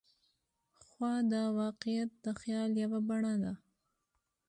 خو دا واقعیت د خیال یوه بڼه ده.